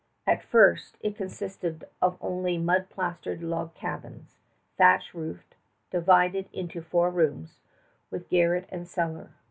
At first it consisted of only mud plastered log cabins, thatch roofed, divided into four rooms, with garret and cellar.